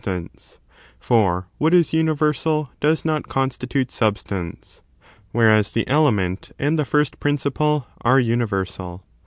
'"^ stance ; for, what is universal does not consti tute substance: whereas the element and the first principle are universal.